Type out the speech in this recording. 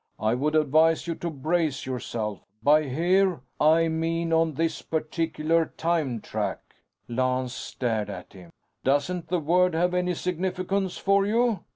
"I would advise you to brace yourself. By 'here,' I mean on this particular time track." Lance stared at him. "Doesn't the word have any significance for you?"